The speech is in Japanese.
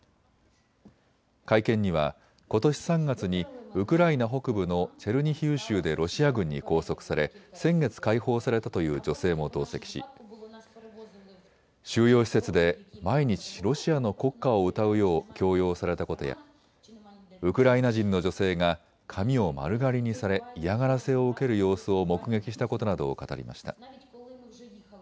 会見にはことし３月にウクライナ北部のチェルニヒウ州でロシア軍に拘束され先月解放されたという女性も同席し収容施設で毎日、ロシアの国歌を歌うよう強要されたことやウクライナ人の女性が髪を丸刈りにされ嫌がらせを受ける様子を目撃したことなどを語りました。